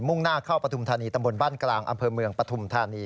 ่งหน้าเข้าปฐุมธานีตำบลบ้านกลางอำเภอเมืองปฐุมธานี